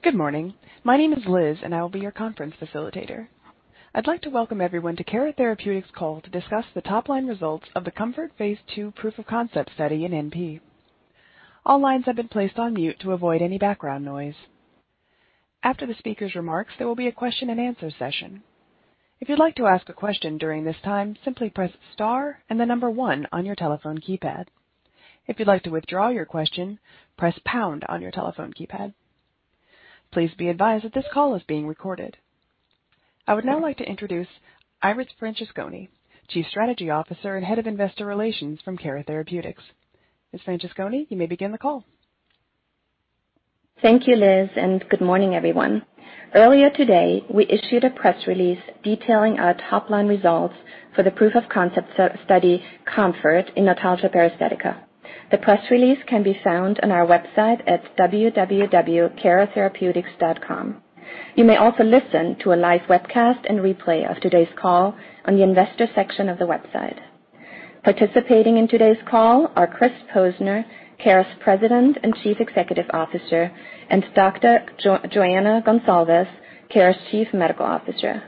Good morning. My name is Liz, and I will be your conference facilitator. I'd like to welcome everyone to Cara Therapeutics call to discuss the top-line results of the KOMFORT phase II proof of concept study in NP. All lines have been placed on mute to avoid any background noise. After the speaker's remarks, there will be a question-and-answer session. If you'd like to ask a question during this time, simply press star and the number 1 on your telephone keypad. If you'd like to withdraw your question, press pound on your telephone keypad. Please be advised that this call is being recorded. I would now like to introduce Iris Francesconi, Chief Strategy Officer and Head of Investor Relations from Cara Therapeutics. Ms. Francesconi, you may begin the call. Thank you, Liz, and good morning, everyone. Earlier today, we issued a press release detailing our top-line results for the proof of concept study KOMFORT in notalgia paresthetica. The press release can be found on our website at www.caratherapeutics.com. You may also listen to a live webcast and replay of today's call on the investor section of the website. Participating in today's call are Chris Posner, Cara's President and Chief Executive Officer, and Dr. Joana Goncalves, Cara's Chief Medical Officer.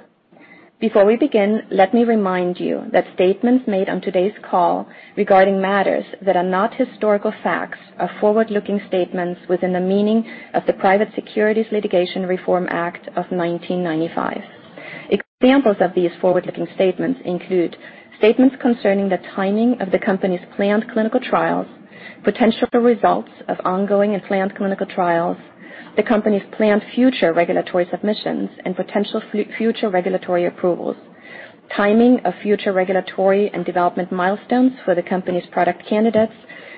Before we begin, let me remind you that statements made on today's call regarding matters that are not historical facts are forward-looking statements within the meaning of the Private Securities Litigation Reform Act of 1995. Examples of these forward-looking statements include statements concerning the timing of the company's planned clinical trials, potential results of ongoing and planned clinical trials, the company's planned future regulatory submissions and potential future regulatory approvals, timing of future regulatory and development milestones for the company's product candidates,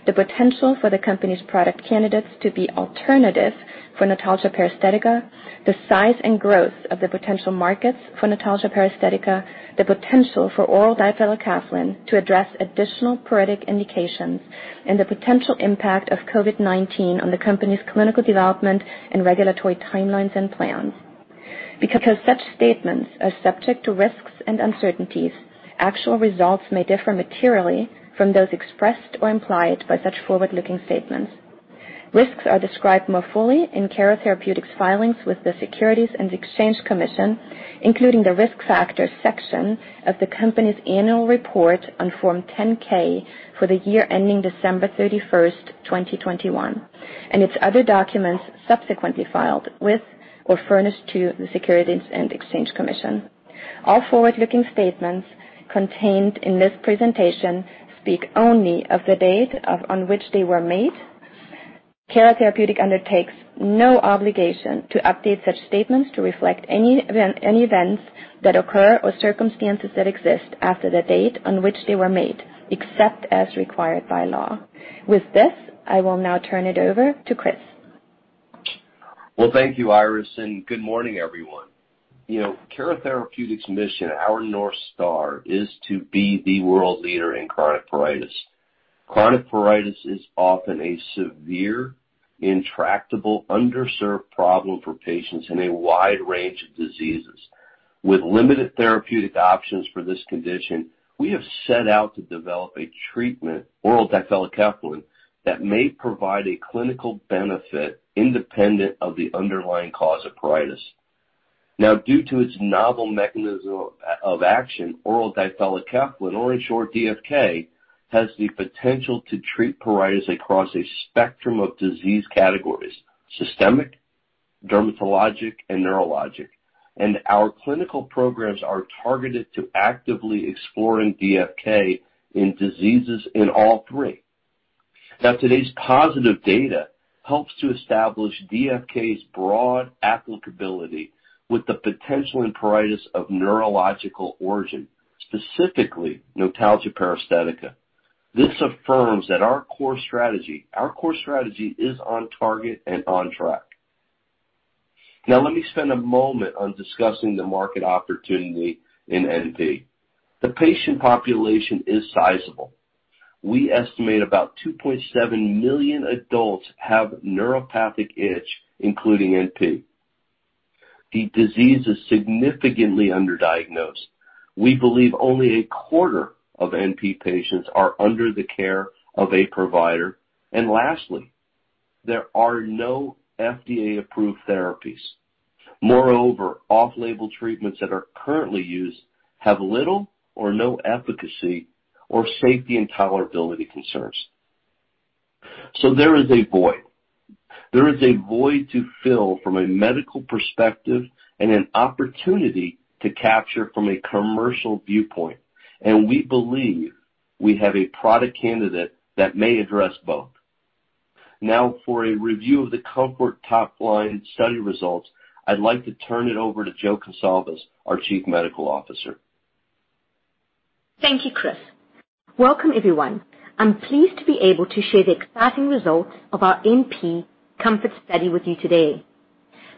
the potential for the company's product candidates to be alternative for notalgia paresthetica, the size and growth of the potential markets for notalgia paresthetica, the potential for oral Difelikefalin to address additional pruritic indications, and the potential impact of COVID-19 on the company's clinical development and regulatory timelines and plans. Because such statements are subject to risks and uncertainties, actual results may differ materially from those expressed or implied by such forward-looking statements. Risks are described more fully in Cara Therapeutics' filings with the Securities and Exchange Commission, including the Risk Factors section of the company's annual report on Form 10-K for the year ending December 31, 2021, and its other documents subsequently filed with or furnished to the Securities and Exchange Commission. All forward-looking statements contained in this presentation speak only of the date on which they were made. Cara Therapeutics undertakes no obligation to update such statements to reflect any events that occur or circumstances that exist after the date on which they were made, except as required by law. With this, I will now turn it over to Chris. Well, thank you, Iris, and good morning, everyone. You know, Cara Therapeutics' mission, our North Star, is to be the world leader in chronic pruritus. Chronic pruritus is often a severe, intractable, underserved problem for patients in a wide range of diseases. With limited therapeutic options for this condition, we have set out to develop a treatment, oral Difelikefalin, that may provide a clinical benefit independent of the underlying cause of pruritus. Now, due to its novel mechanism of action, oral Difelikefalin, or in short DFK, has the potential to treat pruritus across a spectrum of disease categories, systemic, dermatologic, and neurologic. Our clinical programs are targeted to actively exploring DFK in diseases in all three. Now, today's positive data helps to establish DFK's broad applicability with the potential in pruritus of neurological origin, specifically, notalgia paresthetica. This affirms that our core strategy is on target and on track. Now let me spend a moment on discussing the market opportunity in NP. The patient population is sizable. We estimate about 2.7 million adults have neuropathic itch, including NP. The disease is significantly underdiagnosed. We believe only a quarter of NP patients are under the care of a provider. Lastly, there are no FDA-approved therapies. Moreover, off-label treatments that are currently used have little or no efficacy or safety and tolerability concerns. There is a void. There is a void to fill from a medical perspective and an opportunity to capture from a commercial viewpoint. We believe we have a product candidate that may address both. Now, for a review of the KOMFORT top-line study results, I'd like to turn it over to Joana Goncalves, our Chief Medical Officer. Thank you, Chris. Welcome, everyone. I'm pleased to be able to share the exciting results of our NP KOMFORT study with you today.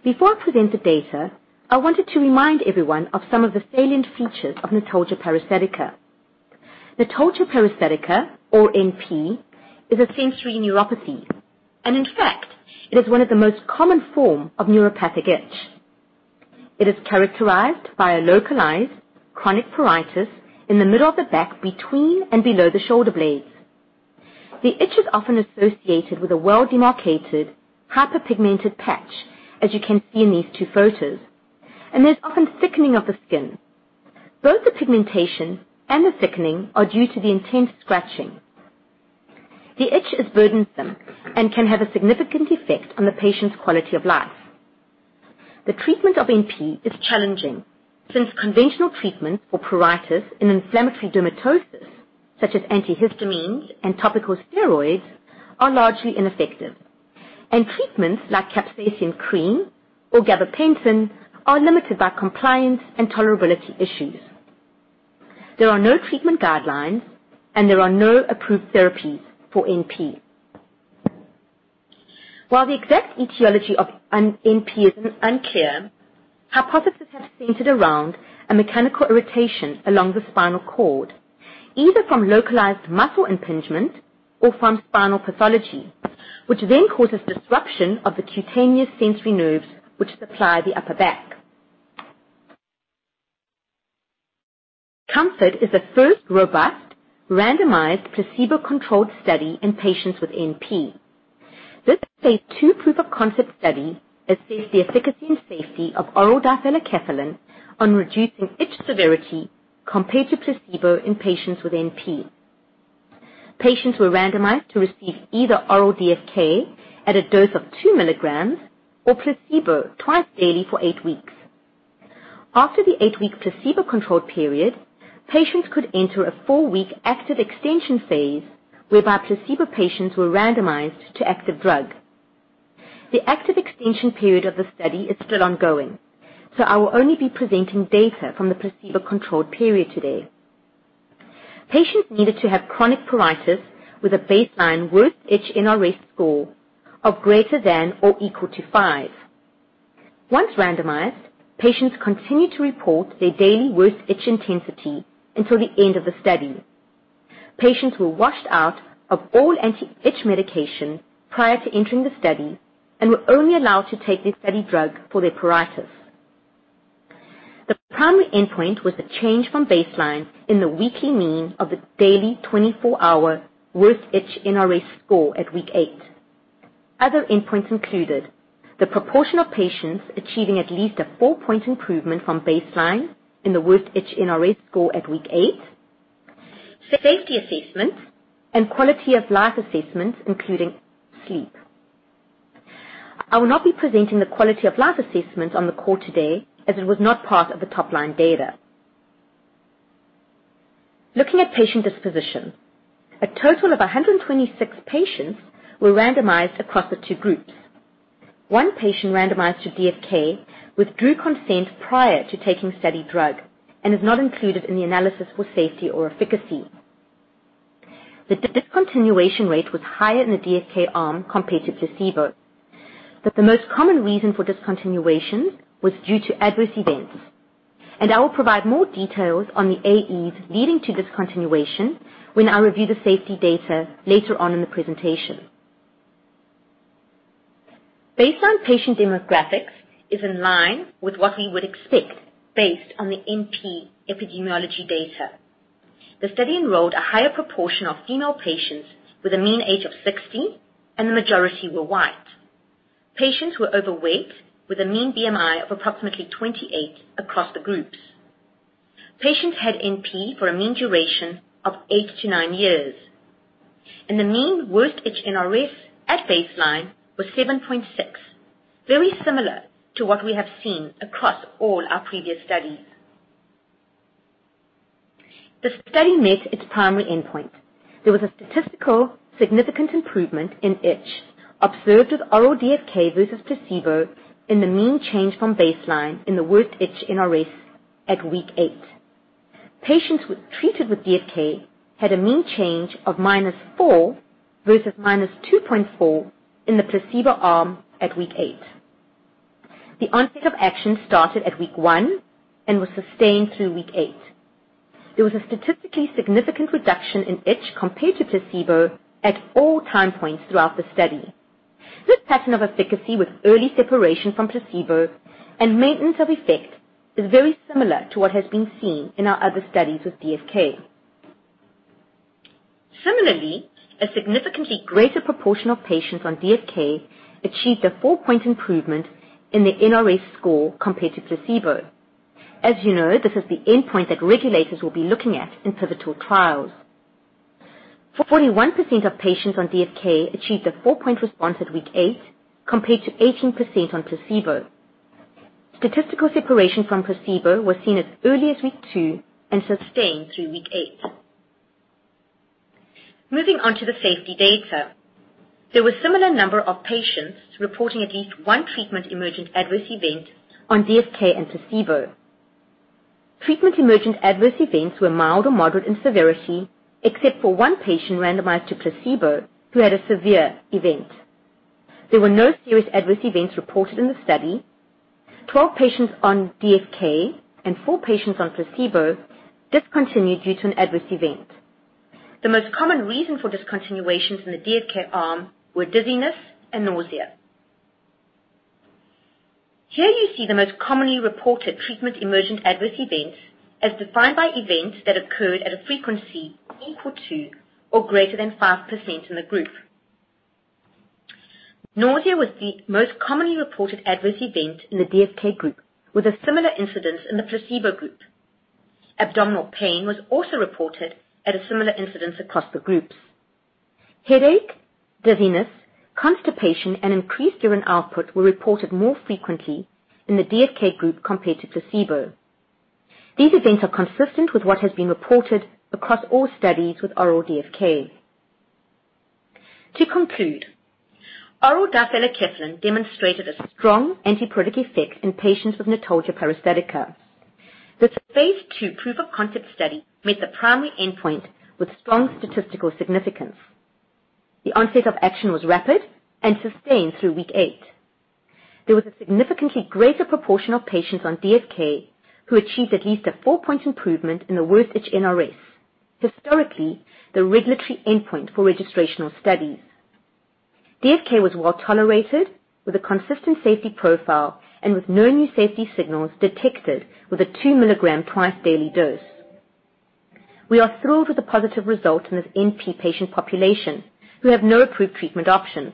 Before I present the data, I wanted to remind everyone of some of the salient features of Notalgia Paresthetica. Notalgia Paresthetica or NP, is a sensory neuropathy, and in fact, it is one of the most common form of neuropathic itch. It is characterized by a localized chronic pruritus in the middle of the back between and below the shoulder blades. The itch is often associated with a well-demarcated hyperpigmented patch, as you can see in these two photos. There's often thickening of the skin. Both the pigmentation and the thickening are due to the intense scratching. The itch is burdensome and can have a significant effect on the patient's quality of life. The treatment of NP is challenging since conventional treatments for pruritus and inflammatory dermatosis, such as antihistamines and topical steroids, are largely ineffective. Treatments like capsaicin cream or gabapentin are limited by compliance and tolerability issues. There are no treatment guidelines, and there are no approved therapies for NP. While the exact etiology of an NP is unclear, hypotheses have centered around a mechanical irritation along the spinal cord, either from localized muscle impingement or from spinal pathology, which then causes disruption of the cutaneous sensory nerves which supply the upper back. KOMFORT is the first robust randomized placebo-controlled study in patients with NP. This phase II proof of concept study assesses the efficacy and safety of oral Difelikefalin on reducing itch severity compared to placebo in patients with NP. Patients were randomized to receive either oral DFK at a dose of two milligrams or placebo twice daily for eight weeks. After the eight-week placebo control period, patients could enter a four-week active extension phase whereby placebo patients were randomized to active drug. The active extension period of the study is still ongoing, so I will only be presenting data from the placebo-controlled period today. Patients needed to have chronic pruritus with a baseline worst itch NRS score of greater than or equal to five. Once randomized, patients continued to report their daily worst itch intensity until the end of the study. Patients were washed out of all anti-itch medication prior to entering the study and were only allowed to take the study drug for their pruritus. The primary endpoint was a change from baseline in the weekly mean of the daily 24-hour worst itch NRS score at week eight. Other endpoints included the proportion of patients achieving at least a four-point improvement from baseline in the worst itch NRS score at week eight, safety assessment and quality of life assessment, including sleep. I will not be presenting the quality of life assessment on the call today as it was not part of the top-line data. Looking at patient disposition, a total of 126 patients were randomized across the two groups. One patient randomized to DFK withdrew consent prior to taking study drug and is not included in the analysis for safety or efficacy. The discontinuation rate was higher in the DFK arm compared to placebo, but the most common reason for discontinuation was due to adverse events. I will provide more details on the AEs leading to discontinuation when I review the safety data later on in the presentation. Based on patient demographics is in line with what we would expect based on the NP epidemiology data. The study enrolled a higher proportion of female patients with a mean age of 60, and the majority were white. Patients were overweight, with a mean BMI of approximately 28 across the groups. Patients had NP for a mean duration of eight to nine years, and the mean worst itch NRS at baseline was 7.6. Very similar to what we have seen across all our previous studies. The study met its primary endpoint. There was a statistically significant improvement in itch observed with oral DFK versus placebo in the mean change from baseline in the worst itch NRS at week eight. Patients treated with DFK had a mean change of -4 versus -2.4 in the placebo arm at week eight. The onset of action started at week one and was sustained through week eight. There was a statistically significant reduction in itch compared to placebo at all time points throughout the study. This pattern of efficacy with early separation from placebo and maintenance of effect is very similar to what has been seen in our other studies with DFK. Similarly, a significantly greater proportion of patients on DFK achieved a four-point improvement in the NRS score compared to placebo. As you know, this is the endpoint that regulators will be looking at in pivotal trials. 41% of patients on DFK achieved a four-point response at week eight, compared to 18% on placebo. Statistical separation from placebo was seen as early as week two and sustained through week eight. Moving on to the safety data. There were similar number of patients reporting at least one treatment emergent adverse event on DFK and placebo. Treatment emergent adverse events were mild or moderate in severity except for one patient randomized to placebo who had a severe event. There were no serious adverse events reported in the study. 12 patients on DFK and four patients on placebo discontinued due to an adverse event. The most common reason for discontinuations in the DFK arm were dizziness and nausea. Here you see the most commonly reported treatment emergent adverse events as defined by events that occurred at a frequency equal to or greater than 5% in the group. Nausea was the most commonly reported adverse event in the DFK group, with a similar incidence in the placebo group. Abdominal pain was also reported at a similar incidence across the groups. Headache, dizziness, constipation, and increased urine output were reported more frequently in the DFK group compared to placebo. These events are consistent with what has been reported across all studies with oral DFK. To conclude, oral difelikefalin demonstrated a strong antipruritic effect in patients with notalgia paresthetica. This phase II proof of concept study met the primary endpoint with strong statistical significance. The onset of action was rapid and sustained through week eight. There was a significantly greater proportion of patients on DFK who achieved at least a four-point improvement in the worst itch NRS, historically the regulatory endpoint for registrational studies. DFK was well tolerated with a consistent safety profile and with no new safety signals detected with a two milligram twice daily dose. We are thrilled with the positive result in this NP patient population who have no approved treatment options.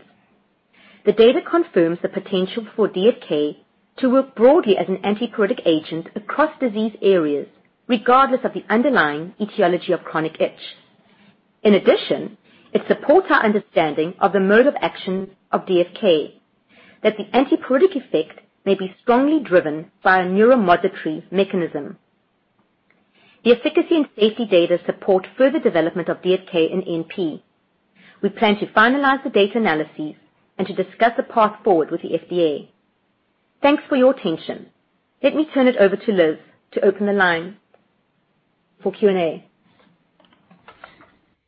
The data confirms the potential for DFK to work broadly as an antipruritic agent across disease areas, regardless of the underlying etiology of chronic itch. In addition, it supports our understanding of the mode of actions of DFK, that the antipruritic effect may be strongly driven by a neuromodulatory mechanism. The efficacy and safety data support further development of DFK in NP. We plan to finalize the data analyses and to discuss the path forward with the FDA. Thanks for your attention. Let me turn it over to Liz to open the line for Q&A.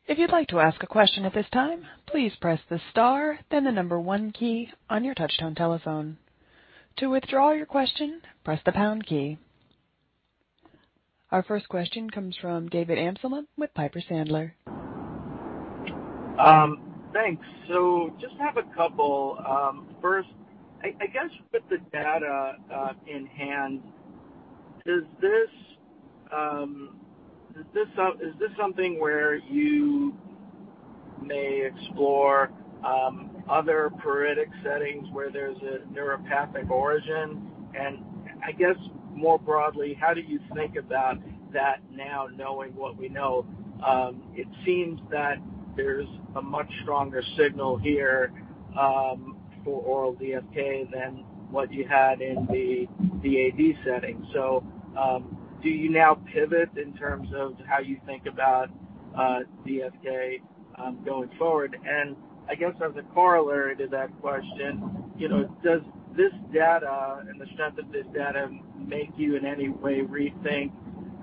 If you'd like to ask a question at this time, please press the star then the number one key on your touchtone telephone. To withdraw your question, press the pound key. Our first question comes from David Amsellem with Piper Sandler. Thanks. Just have a couple. First, I guess with the data in hand, is this something where you may explore other pruritic settings where there's a neuropathic origin? I guess more broadly, how do you think about that now, knowing what we know? It seems that there's a much stronger signal here for oral DFK than what you had in the AD setting. Do you now pivot in terms of how you think about DFK going forward? I guess as a corollary to that question, you know, does this data and the stuff that this data make you in any way rethink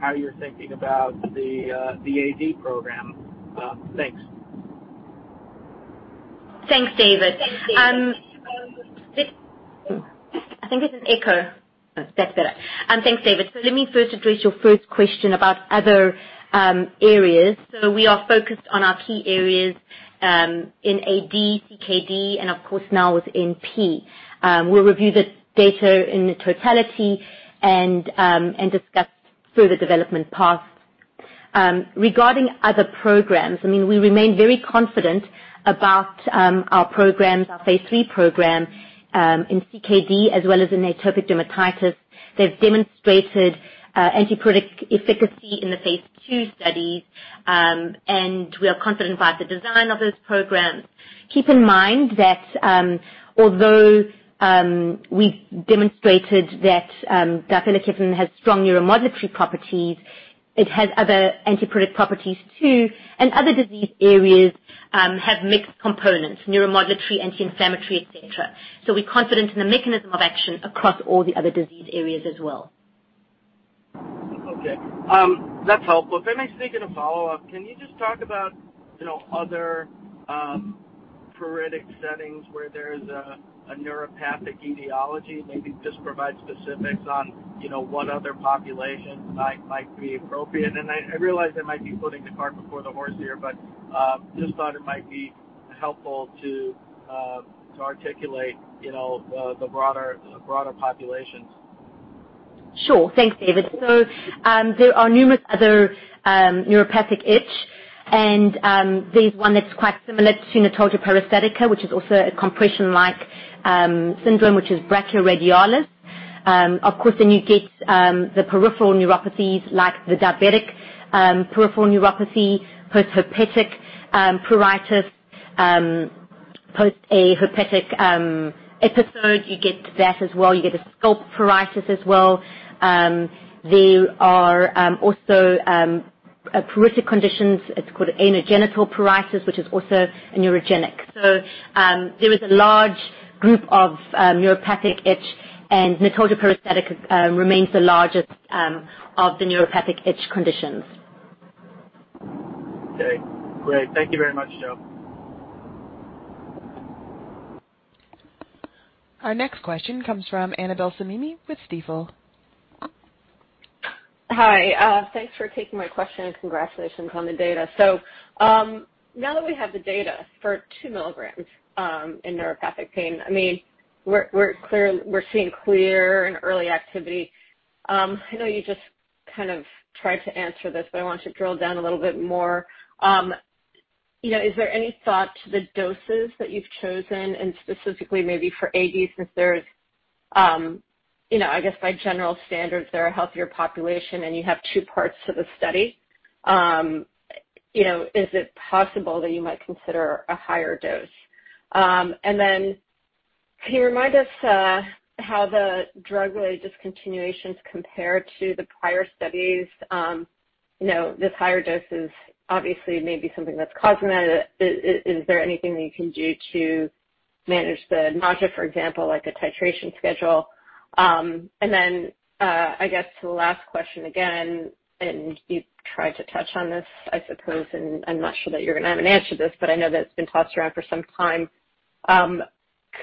how you're thinking about the AD program? Thanks. Thanks, David. I think it's an echo. That's better. Thanks, David. Let me first address your first question about other areas. We are focused on our key areas in AD, CKD, and of course now with NP. We'll review the data in totality and discuss further development paths. Regarding other programs, I mean, we remain very confident about our programs, our phase III program in CKD, as well as in atopic dermatitis. They've demonstrated antipruritic efficacy in the phase II studies. We are confident about the design of those programs. Keep in mind that, although we demonstrated that Difelikefalin has strong neuromodulatory properties, it has other antipruritic properties too, and other disease areas have mixed components, neuromodulatory, anti-inflammatory, et cetera. We're confident in the mechanism of action across all the other disease areas as well. Okay. That's helpful. If I may sneak in a follow-up, can you just talk about, you know, other pruritic settings where there is a neuropathic etiology? Maybe just provide specifics on, you know, what other populations might be appropriate. I realize I might be putting the cart before the horse here, but just thought it might be helpful to articulate, you know, the broader populations. Sure. Thanks, David. There are numerous other neuropathic itch and there's one that's quite similar to notalgia paresthetica, which is also a compression-like syndrome, which is brachioradial. Of course, then you get the peripheral neuropathies like the diabetic peripheral neuropathy, post-herpetic pruritus, post-herpetic episode. You get that as well. You get a scalp pruritus as well. There are also pruritic conditions. It's called anogenital pruritus, which is also neurogenic. There is a large group of neuropathic itch, and notalgia paresthetica remains the largest of the neuropathic itch conditions. Okay, great. Thank you very much, Jo. Our next question comes from Annabel Samimy with Stifel. Hi. Thanks for taking my question and congratulations on the data. Now that we have the data for two milligrams in neuropathic pain, I mean, we're seeing clear and early activity. I know you just kind of tried to answer this, but I want to drill down a little bit more. You know, is there any thought to the doses that you've chosen and specifically maybe for AD, since there's you know, I guess by general standards they're a healthier population and you have two parts to the study? You know, is it possible that you might consider a higher dose? Can you remind us as to how the drug-related discontinuations compare to the prior studies? You know, this higher dose is obviously maybe something that's causing that. Is there anything that you can do to manage the nausea, for example, like a titration schedule? I guess the last question again, and you tried to touch on this, I suppose, and I'm not sure that you're going to have an answer to this, but I know that it's been tossed around for some time.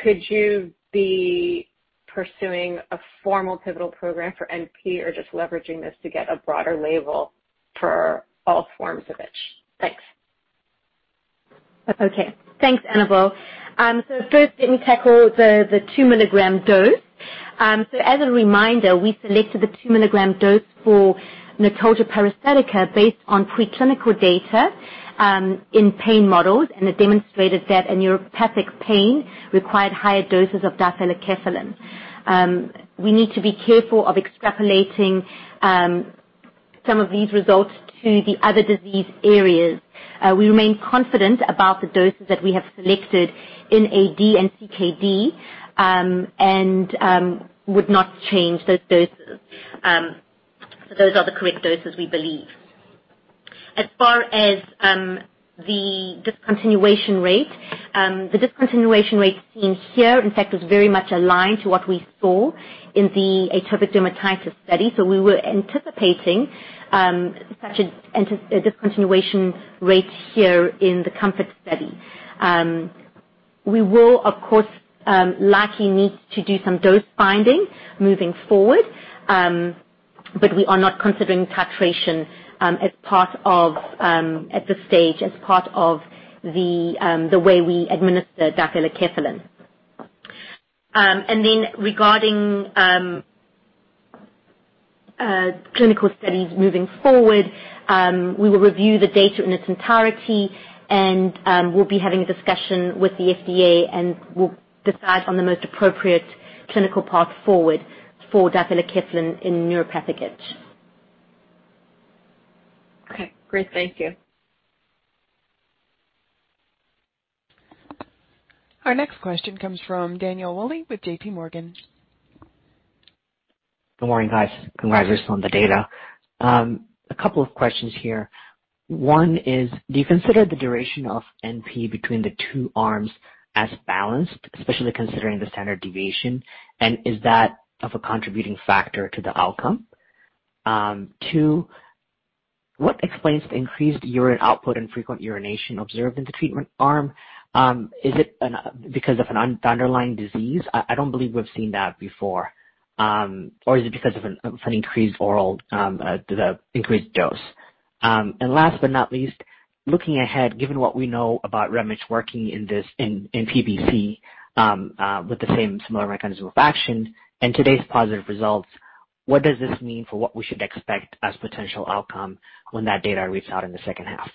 Could you be pursuing a formal pivotal program for NP or just leveraging this to get a broader label for all forms of itch? Thanks. Okay. Thanks, Annabel. First, let me tackle the two milligram dose. As a reminder, we selected the two milligram dose for notalgia paresthetica based on preclinical data in pain models, and it demonstrated that neuropathic pain required higher doses of Difelikefalin. We need to be careful of extrapolating some of these results to the other disease areas. We remain confident about the doses that we have selected in AD and CKD and would not change those doses. Those are the correct doses we believe. As far as the discontinuation rate, the discontinuation rate seen here in fact is very much aligned to what we saw in the atopic dermatitis study. We were anticipating such a discontinuation rate here in the KOMFORT study. We will of course likely need to do some dose finding moving forward, but we are not considering titration as part of at this stage the way we administer Difelikefalin. Regarding clinical studies moving forward, we will review the data in its entirety and we'll be having a discussion with the FDA, and we'll decide on the most appropriate clinical path forward for Difelikefalin in neuropathic itch. Okay, great. Thank you. Our next question comes from Daniel Wolle with JPMorgan. Good morning, guys. Congratulations on the data. A couple of questions here. One is, do you consider the duration of NP between the two arms as balanced, especially considering the standard deviation? Is that a contributing factor to the outcome? Two, what explains the increased urine output and frequent urination observed in the treatment arm? Is it because of an underlying disease? I don't believe we've seen that before. Or is it because of the increased dose? Last but not least, looking ahead, given what we know about Remitch working in PBC, with the same similar mechanism of action and today's positive results, what does this mean for what we should expect as potential outcome when that data reads out in the second half?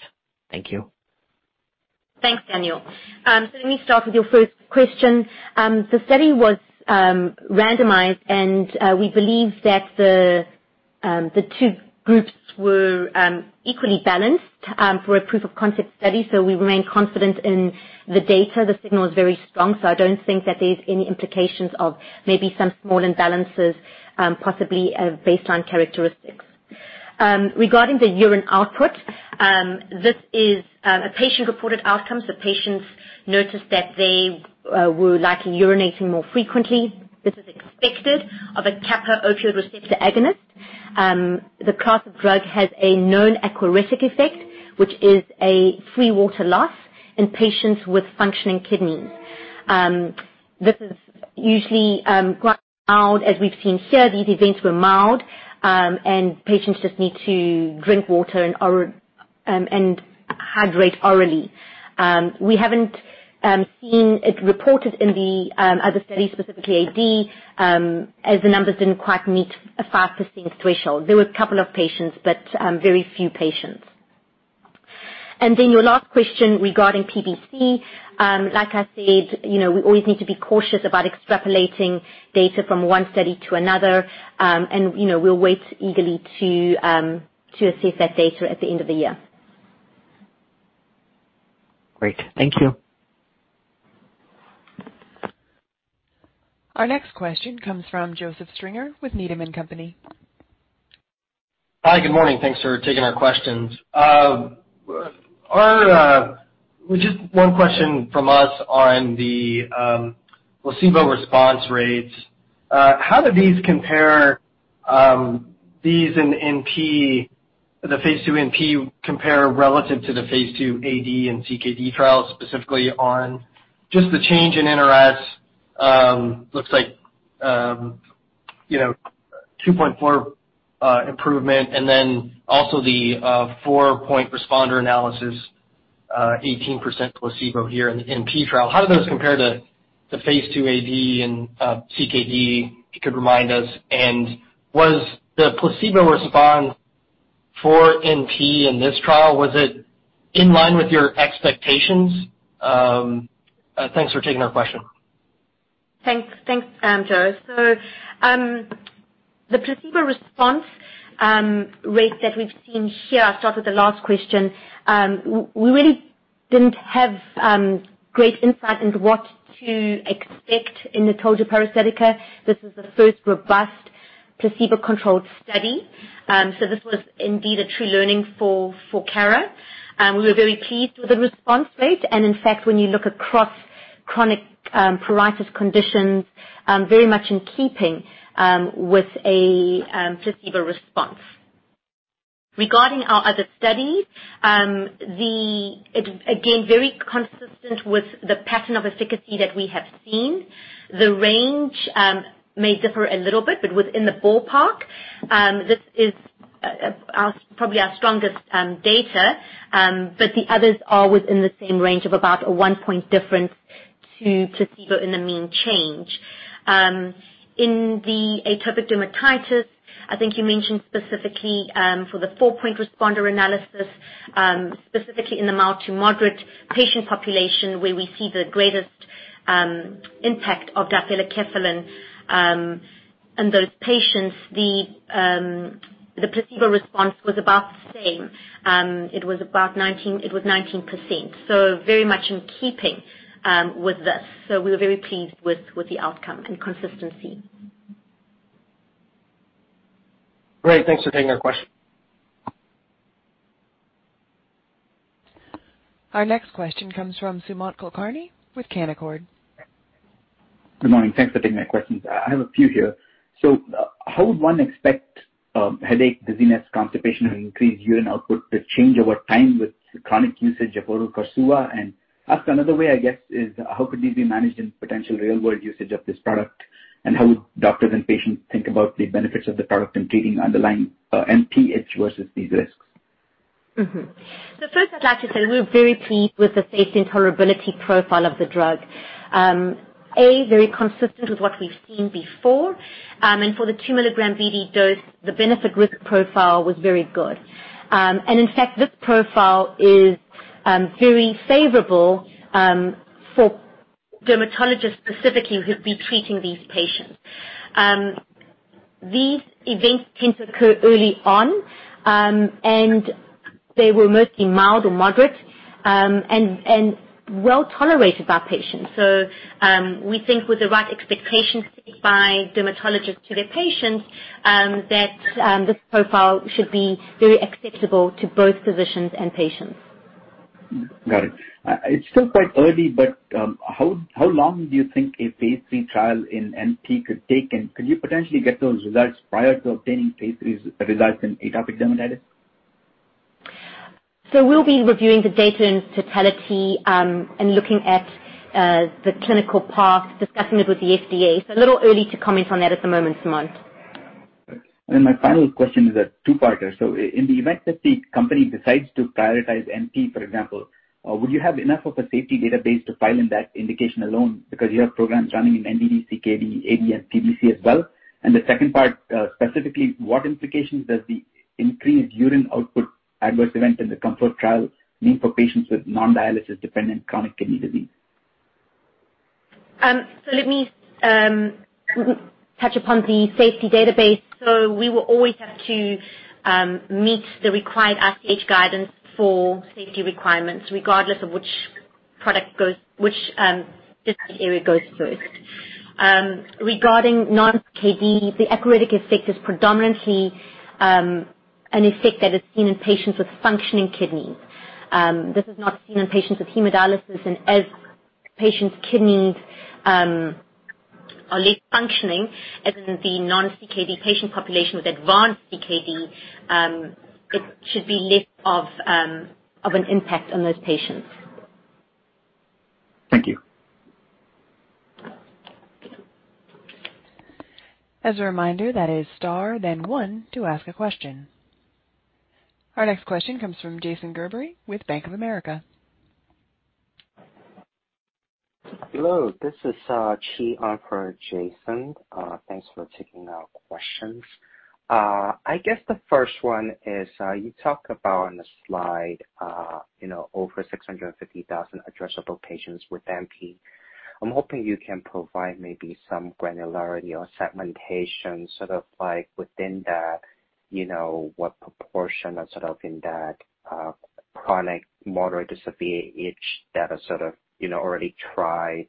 Thank you. Thanks, Daniel. Let me start with your first question. The study was randomized and we believe that the two groups were equally balanced for a proof of concept study, so we remain confident in the data. The signal is very strong, so I don't think that there's any implications of maybe some small imbalances, possibly baseline characteristics. Regarding the urine output, this is a patient-reported outcome. The patients noticed that they were likely urinating more frequently. This is expected of a kappa opioid receptor agonist. The class of drug has a known aquaretic effect, which is a free water loss in patients with functioning kidneys. This is usually quite mild as we've seen here. These events were mild, and patients just need to drink water and hydrate orally. We haven't seen it reported in the other studies, specifically AD, as the numbers didn't quite meet a 5% threshold. There were a couple of patients, but very few patients. Then your last question regarding PBC, like I said, you know, we always need to be cautious about extrapolating data from one study to another, and, you know, we'll wait eagerly to assess that data at the end of the year. Great. Thank you. Our next question comes from Joseph Stringer with Needham & Company. Hi. Good morning. Thanks for taking our questions. Just one question from us on the placebo response rates. How do these compare These in NP, the phase II NP compare relative to the phase II AD and CKD trials, specifically on just the change in NRS, looks like, you know, 2.4 improvement, and then also the four-point responder analysis, 18% placebo here in the NP trial. How do those compare to the phase II AD and CKD? If you could remind us. Was the placebo response for NP in this trial in line with your expectations? Thanks for taking our question. Thanks. Thanks, Joe. The placebo response rate that we've seen here, I'll start with the last question. We really didn't have great insight into what to expect in the notalgia paresthetica. This is the first robust placebo-controlled study. This was indeed a true learning for Cara. We were very pleased with the response rate, and in fact, when you look across chronic pruritus conditions, very much in keeping with a placebo response. Regarding our other studies, it again, very consistent with the pattern of efficacy that we have seen. The range may differ a little bit, but within the ballpark, this is probably our strongest data. But the others are within the same range of about a one-point difference to placebo in the mean change. In the Atopic Dermatitis, I think you mentioned specifically, for the 4-point responder analysis, specifically in the mild to moderate patient population where we see the greatest, impact of Difelikefalin, in those patients, the placebo response was about the same. It was about 19, it was 19%. Very much in keeping, with this. We were very pleased with the outcome and consistency. Great. Thanks for taking our question. Our next question comes from Sumant Kulkarni with Canaccord. Good morning. Thanks for taking my questions. I have a few here. How would one expect, headache, dizziness, constipation, and increased urine output to change over time with chronic usage of oral KORSUVA? Asked another way, I guess, is how could these be managed in potential real-world usage of this product? How would doctors and patients think about the benefits of the product in treating underlying, NP versus these risks? First, I'd like to say we're very pleased with the safety and tolerability profile of the drug. It's very consistent with what we've seen before. For the two-milligram BD dose, the benefit risk profile was very good. In fact, this profile is very favorable for dermatologists specifically who'd be treating these patients. These events tend to occur early on, and they were mostly mild or moderate, and well-tolerated by patients. We think with the right expectations set by dermatologists to their patients, that this profile should be very acceptable to both physicians and patients. Got it. It's still quite early, but how long do you think a phase three trial in NP could take? Could you potentially get those results prior to obtaining phase three results in atopic dermatitis? We'll be reviewing the data in its totality, and looking at the clinical path, discussing it with the FDA. It's a little early to comment on that at the moment, Sumant. My final question is a two-parter. In the event that the company decides to prioritize NP, for example, would you have enough of a safety database to file in that indication alone? Because you have programs running in CKD, KD, AD, and PBC as well. The second part, specifically, what implications does the increased urine output adverse event in the KOMFORT trial mean for patients with non-dialysis dependent chronic kidney disease? Let me touch upon the safety database. We will always have to meet the required ICH guidance for safety requirements, regardless of which product goes, which disease area goes first. Regarding non-CKD, the aquaretic effect is predominantly an effect that is seen in patients with functioning kidneys. This is not seen in patients with hemodialysis. As patients' kidneys are less functioning than in the non-CKD patient population with advanced CKD, it should be less of an impact on those patients. Thank you. As a reminder, that is star then one to ask a question. Our next question comes from Jason Gerberry with Bank of America. Hello, this is Qi on for Jason Gerberry. Thanks for taking our questions. I guess the first one is you talked about on the slide, you know, over 650,000 addressable patients with NP. I'm hoping you can provide maybe some granularity or segmentation, sort of like within that, you know, what proportion of sort of in that chronic moderate to severe itch that have sort of, you know, already tried.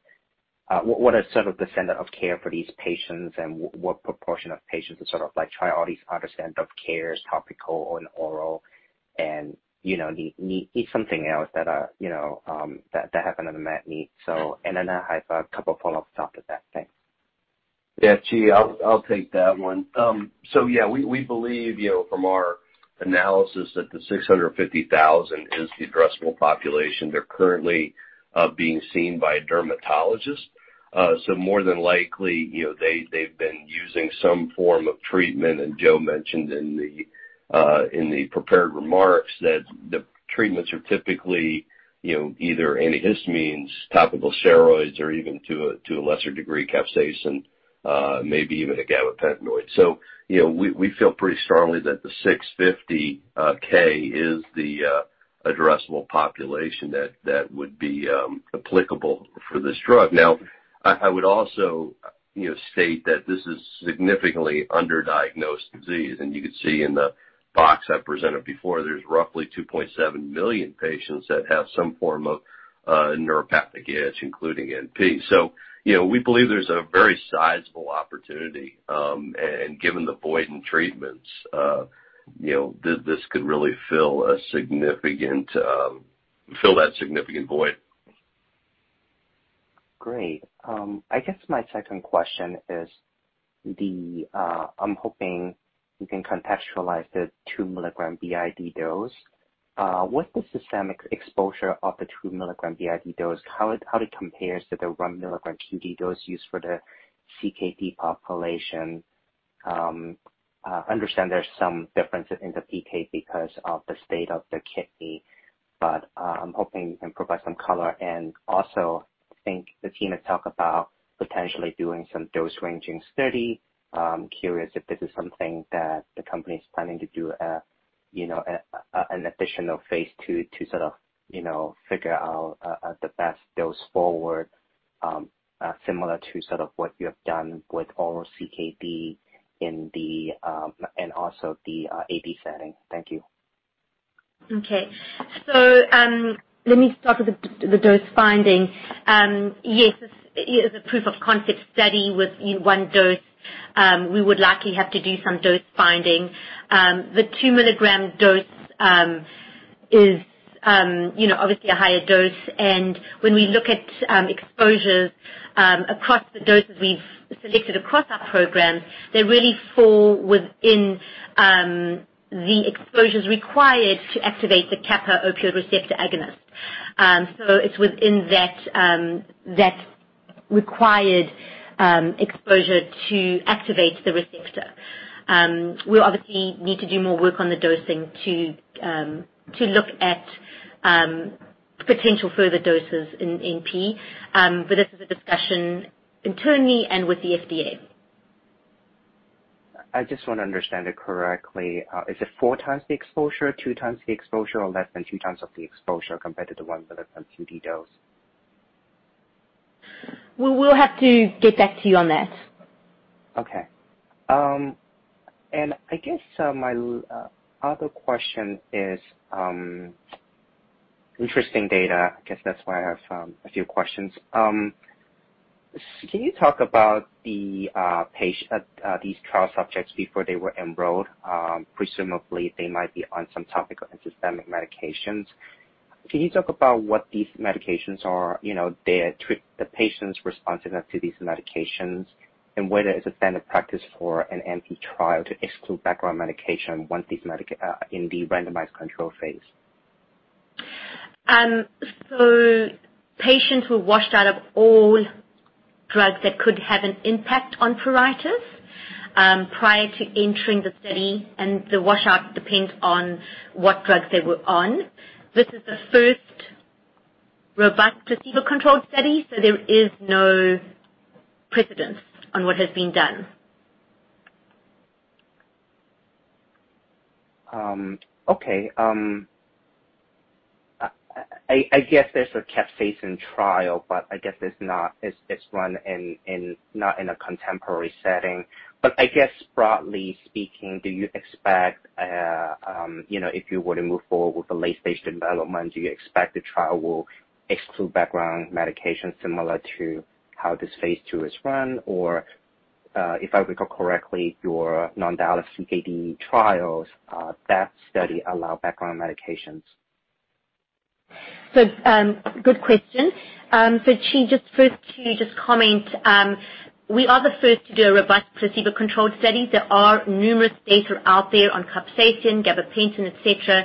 What is sort of the standard of care for these patients, and what proportion of patients have sort of like tried all these standard of cares, topical and oral, and you know, need something else that, you know, that have an unmet need. I have a couple follow-ups after that. Thanks. Yeah, Qi, I'll take that one. So yeah, we believe, you know, from our analysis that the 650,000 is the addressable population. They're currently being seen by a dermatologist. More than likely, you know, they've been using some form of treatment, and Joe mentioned in the prepared remarks that the treatments are typically, you know, either antihistamines, topical steroids, or even to a lesser degree, capsaicin, maybe even a Gabapentinoid. You know, we feel pretty strongly that the 650,000 is the addressable population that would be applicable for this drug. Now, I would also, you know, state that this is significantly under-diagnosed disease, and you can see in the box I presented before, there's roughly 2.7 million patients that have some form of neuropathic itch, including NP. You know, we believe there's a very sizable opportunity, and given the void in treatments, you know, this could really fill that significant void. Great. I guess my second question is, I'm hoping you can contextualize the two-milligram BID dose. What's the systemic exposure of the two-milligram BID dose? How it compares to the one milligram QD dose used for the CKD population? I understand there's some differences in the PK because of the state of the kidney, but I'm hoping you can provide some color. Also, I think the team has talked about potentially doing some dose ranging study. Curious if this is something that the company is planning to do, you know, an additional phase II to sort of figure out the best dose forward, similar to sort of what you have done with oral CKD in the AD setting. Thank you. Okay. Let me start with the dose finding. Yes, it's the proof of concept study with one dose. We would likely have to do some dose finding. The two-milligram dose, you know, obviously a higher dose. When we look at exposures across the doses we've selected across our program, they really fall within the exposures required to activate the kappa opioid receptor agonist. It's within that required exposure to activate the receptor. We'll obviously need to do more work on the dosing to look at potential further doses in NP. This is a discussion internally and with the FDA. I just want to understand it correctly. Is it four times the exposure, two times the exposure, or less than 2 times of the exposure compared to the one milligram QD dose? We will have to get back to you on that. Okay. I guess my other question is interesting data. I guess that's why I have a few questions. Can you talk about these trial subjects before they were enrolled? Presumably they might be on some topical and systemic medications. Can you talk about what these medications are? You know, the patient's responsiveness to these medications, and whether it's a standard practice for an NP trial to exclude background medication once in the randomized control phase? Patients were washed out of all drugs that could have an impact on pruritus, prior to entering the study, and the washout depends on what drugs they were on. This is the first robust placebo-controlled study. There is no precedent on what has been done. Okay. I guess there's a capsaicin trial, but I guess it's not run in a contemporary setting. I guess broadly speaking, do you expect, you know, if you were to move forward with the late-stage development, do you expect the trial will exclude background medications similar to how this phase II is run? Or, if I recall correctly, your non-dialysis AD trials, that study allowed background medications. Good question. Qi, first to comment, we are the first to do a robust placebo-controlled study. There are numerous data out there on capsaicin, gabapentin, et cetera.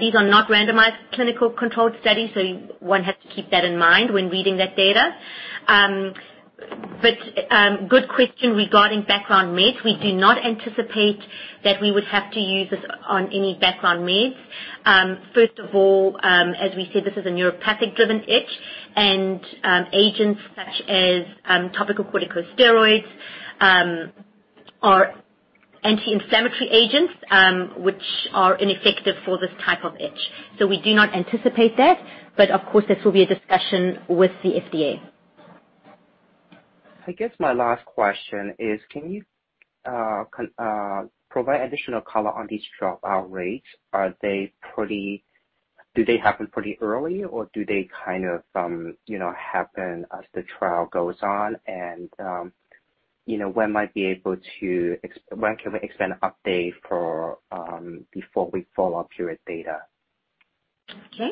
These are not randomized clinical controlled studies, so one has to keep that in mind when reading that data. Good question regarding background meds. We do not anticipate that we would have to use this on any background meds. First of all, as we said, this is a neuropathic-driven itch and agents such as topical corticosteroids are anti-inflammatory agents, which are ineffective for this type of itch. We do not anticipate that, but of course, this will be a discussion with the FDA. I guess my last question is, can you provide additional color on these dropout rates? Are they pretty early, or do they kind of, you know, happen as the trial goes on? You know, when can we expect an update before follow up period data? Okay.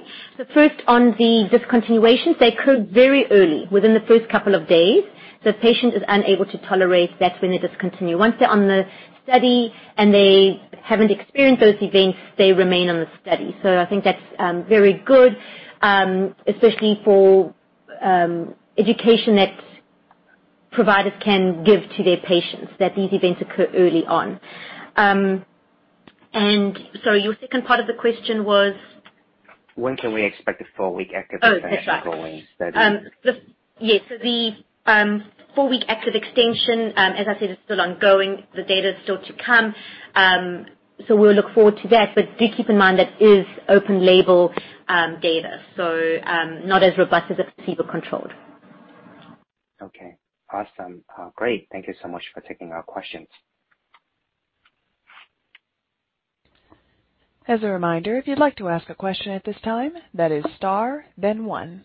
First on the discontinuations, they occur very early, within the first couple of days. The patient is unable to tolerate, that's when they discontinue. Once they're on the study and they haven't experienced those events, they remain on the study. I think that's very good, especially for education that providers can give to their patients that these events occur early on. Your second part of the question was? When can we expect the four-week active? Oh, that's right. extension ongoing study? Yes. The four-week active extension, as I said, is still ongoing. The data is still to come. We'll look forward to that. Do keep in mind that is open label data, so not as robust as a placebo-controlled. Okay. Awesome. Great. Thank you so much for taking our questions. As a reminder, if you'd like to ask a question at this time, that is star then one.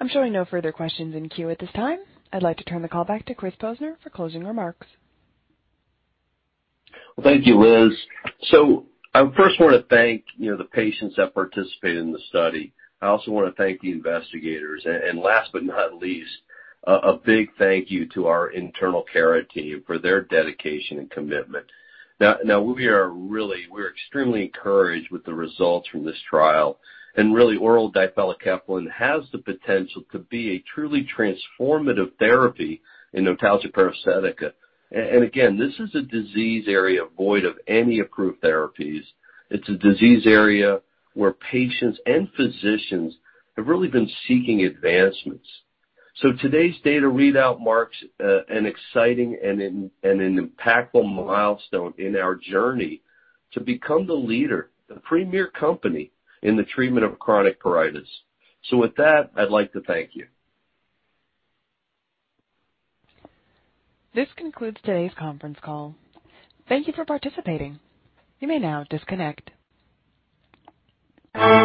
I'm showing no further questions in queue at this time. I'd like to turn the call back to Christopher Posner for closing remarks. Well, thank you, Liz. I first wanna thank, you know, the patients that participated in the study. I also wanna thank the investigators. Last but not least, a big thank you to our internal Cara team for their dedication and commitment. Now we're extremely encouraged with the results from this trial and really oral Difelikefalin has the potential to be a truly transformative therapy in notalgia paresthetica. Again, this is a disease area void of any approved therapies. It's a disease area where patients and physicians have really been seeking advancements. Today's data readout marks an exciting and impactful milestone in our journey to become the leader, the premier company in the treatment of chronic pruritus. With that, I'd like to thank you. This concludes today's conference call. Thank you for participating. You may now disconnect.